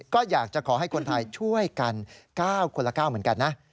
ก็อยากจะขอให้คนไทยช่วยกัน๙คนละ๙เหมือนกันนะ